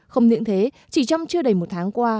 không những thế chỉ trong chưa đầy một tháng qua